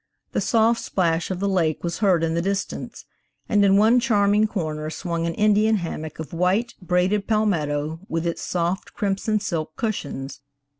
The soft plash of the lake was heard in the distance, and in one charming corner swung an Indian hammock of white, braided palmetto, with its soft, crimson silk cushions.